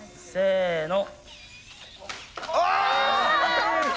せの。